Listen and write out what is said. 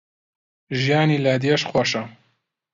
ژیانی لادێش خۆشە